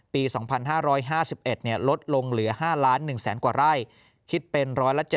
ปี๒๕๕๑ลดลงเหลือ๕๑๐๐๐กว่าไร่คิดเป็น๑๗๐